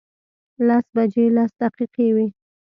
لس بجې لس دقیقې وې.